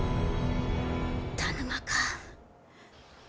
田沼か？